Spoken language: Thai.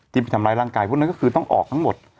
ไปทำร้ายร่างกายพวกนั้นก็คือต้องออกทั้งหมด